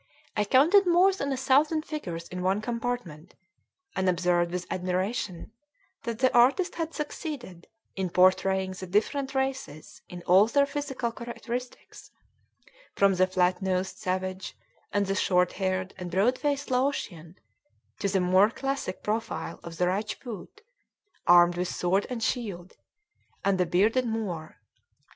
I counted more than a thousand figures in one compartment, and observed with admiration that the artist had succeeded in portraying the different races in all their physical characteristics, from the flat nosed savage, and the short haired and broad faced Laotian, to the more classic profile of the Rajpoot, armed with sword and shield, and the bearded Moor.